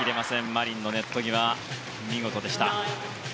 マリンのネット際、見事でした。